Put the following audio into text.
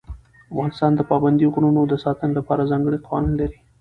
افغانستان د پابندي غرونو د ساتنې لپاره ځانګړي قوانین لري.